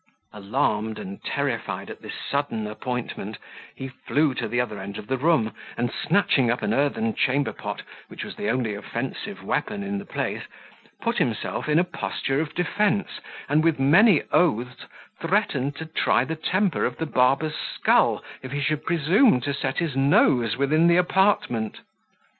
Alarmed and terrified at this sudden appointment, he flew to the other end of the room, and, snatching up an earthen chamber pot, which was the only offensive weapon in the place, put himself in a posture of defence, and with many oaths threatened to try the temper of the barber's skull, if he should presume to set his nose within the apartment.